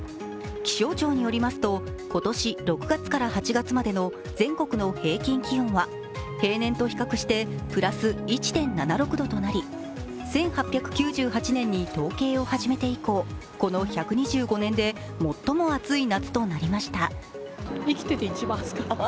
気象庁によりますと今年６月から８月までの全国の平均気温は平年と比較してプラス１．７６度となり１８９８年に統計を始めて以降この１２５年で最も暑い夏となりました。